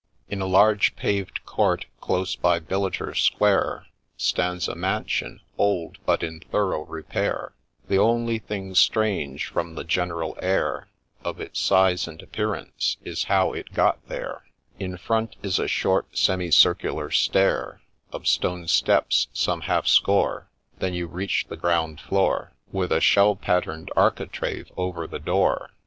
— In a large paved court, close by Billiter Square, Stands a mansion, old, but in thorough repair, The only thing strange, from the general air Of its size and appearance, is how it got there ; THE BAGMAN'S DOG 195 In front is a short semicircular stair Of stone steps, — some half score, — Then you reach the ground floor, With a shell pattern' d architrave over the door.